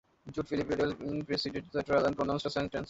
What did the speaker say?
Judge Philippe Ridelle presided the trial and pronounced the sentence.